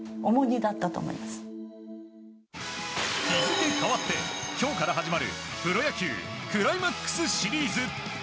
日付変わって今日から始まるプロ野球クライマックスシリーズ。